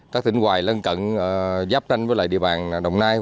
các tỉnh hoài lân cận giáp tranh với lại địa bàn đồng nai